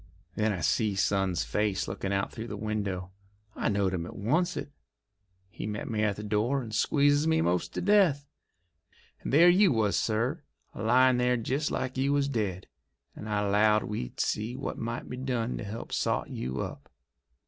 Then I see son's face lookin' out through the window. I knowed him at oncet. He met me at the door, and squeezes me 'most to death. And there you was, sir, a lyin' there jest like you was dead, and I 'lowed we'd see what might be done to help sot you up."